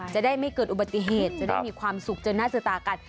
จะได้ไม่เกิดอุบัติเหตุจะได้มีความสุขเจอหน้าเจอตากัน